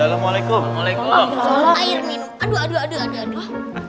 aduh aduh aduh